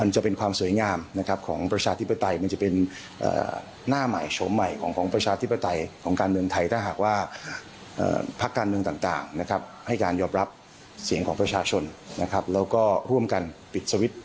แล้วภูมิใจไทยว่าอย่างไร